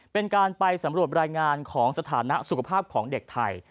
เป็นการไปสำรวจรายงานของสถานะสุขภาพของเด็กไทย